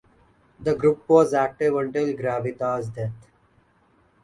This group was active until Garavito's death.